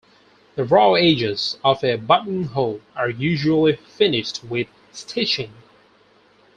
The raw edges of a buttonhole are usually finished with stitching.